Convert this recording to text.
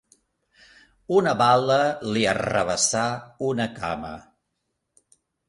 Una bala li arrabassà una cama.